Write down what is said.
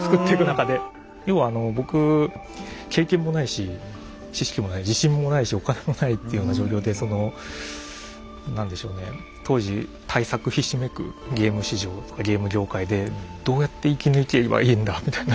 要はあの僕経験もないし知識もない自信ないしお金もないっていうような状況で何でしょうね当時大作ひしめくゲーム市場ゲーム業界で「どうやって生き抜けばいいんだ」みたいな。